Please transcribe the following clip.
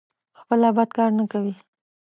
خپله بد کار نه کوي.